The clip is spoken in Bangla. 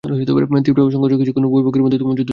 তীব্র সংঘর্ষ কিছুক্ষণ উভয় পক্ষের মধ্যে তুমুল যুদ্ধ চলে।